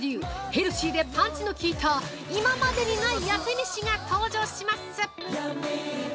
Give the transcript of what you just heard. ヘルシーでパンチの効いた今までにない痩せめしが登場します！